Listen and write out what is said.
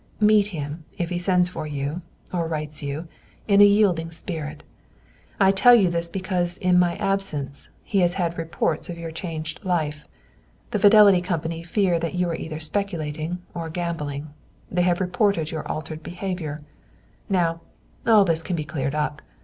Meet him, if he sends for you, or writes you, in a yielding spirit. I tell you this because, in my absence, he has had reports of your changed life. The Fidelity Company fear that you are either speculating or gambling. They have reported your altered behavior. Now, all this can be cleared up.